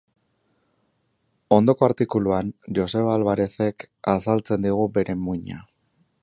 Ondoko artikuluan Joseba Alvarerezek azaltzen digu bere muina.